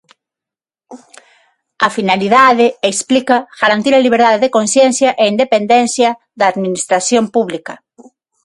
A finalidade, explica, garantir a liberdade de conciencia e a independencia da administración pública.